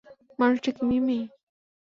মানুষটা কি মিমি?